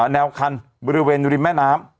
แนวคันบริเวณริมแม่น้ำ